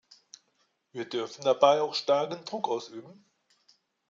Wir dürfen dabei auch starken Druck ausüben.